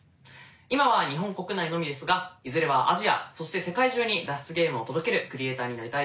今は日本国内のみですがいずれはアジアそして世界中に脱出ゲームを届けるクリエイターになりたいです。